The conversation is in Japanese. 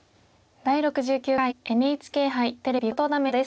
「第６９回ＮＨＫ杯テレビ囲碁トーナメント」です。